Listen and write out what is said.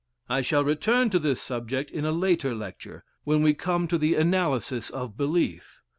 I shall return to this subject in a later lecture, when we come to the analysis of belief.